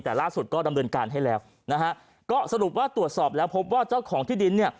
แต่ล่าสุดก็ดำเนินการให้แล้วนะฮะก็สรุปว่าตรวจสอบแล้วพบว่าเจ้าของที่ดินเนี่ย